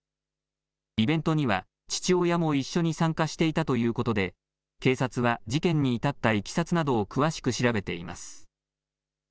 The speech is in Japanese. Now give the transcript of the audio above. イベントには父親も一緒に参加していたということで、警察は事件に至ったいきさつなどを詳しく調べています。